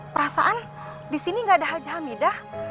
perasaan di sini nggak ada haji hamidah